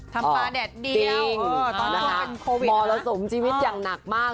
ทำปลาแดดเดียวตรงตัวเป็นโควิดนะคะติ่งมารสมชีวิตอย่างหนักมาก